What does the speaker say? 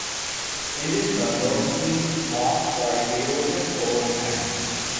It is not notably marked by erosion or impacts.